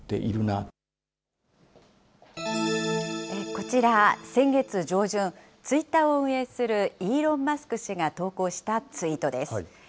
こちら、先月上旬、ツイッターを運営するイーロン・マスク氏が投稿したツイートです。